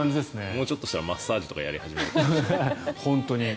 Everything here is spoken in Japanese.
もうちょっとしたらマッサージとかやり始めるかもしれない。